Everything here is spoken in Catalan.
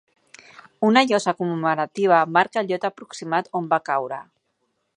Una llosa commemorativa marca el lloc aproximat on va caure.